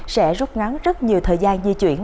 sẽ rút ngắn rất nhiều thời gian di chuyển